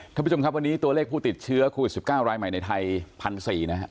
ท่านผู้ชมครับวันนี้ตัวเลขผู้ติดเชื้อโควิด๑๙รายใหม่ในไทย๑๔๐๐นะฮะ